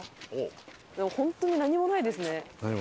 でも本当に何もないですね。